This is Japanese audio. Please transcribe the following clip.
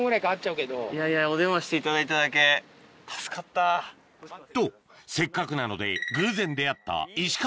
いやいやお電話していただいただけ。とせっかくなので偶然出会った